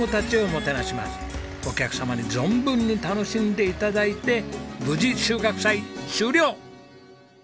お客様に存分に楽しんで頂いて無事収穫祭終了！